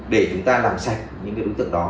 để chúng ta làm sạch những cái ưu tượng đó